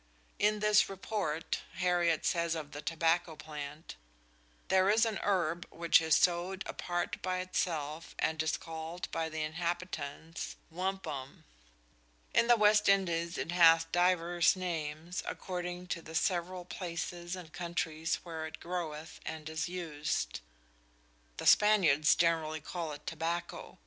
In this "Report" Hariot says of the tobacco plant: "There is an herbe which is sowed a part by itselfe and is called by the inhabitants Vppówoc: In the West Indies it hath divers names, according to the severall places and countries where it groweth and is used: The Spaniardes generally call it Tobacco.